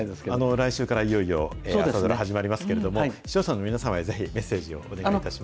来週からいよいよ朝ドラ始まりますけれども、視聴者の皆さんにぜひメッセージをお願いいたします。